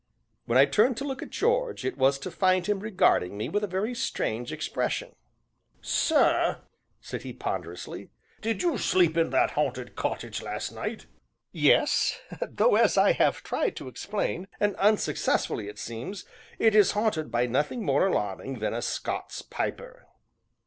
When I turned to look at George, it was to find him regarding me with a very strange expression. "Sir," said he ponderously, "did you sleep in th' 'aunted cottage last night?" "Yes, though, as I have tried to explain, and unsuccessfully it seems, it is haunted by nothing more alarming than a Scots Piper."